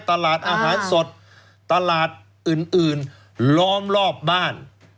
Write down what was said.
ตลาดอาหารสดตลาดอื่นล้อมรอบบ้าน